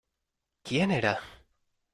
¿ quién era?